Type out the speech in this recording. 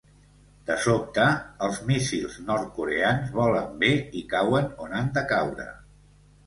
De sobte, els míssils nord-coreans volen bé i cauen on han de caure.